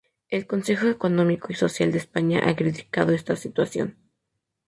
El Consejo Económico y Social de España ha criticado esta situación.